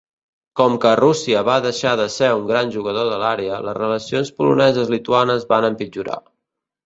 Com que Rússia va deixar de ser un gran jugador de l'àrea, les relacions poloneses-lituanes van empitjorar.